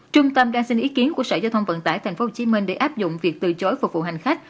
trung tâm đang xin ý kiến của sở giao thông vận tải tp hcm để áp dụng việc từ chối phục vụ hành khách